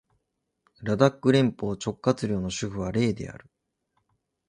ラダック連邦直轄領の首府はレーである